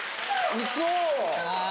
ウソ？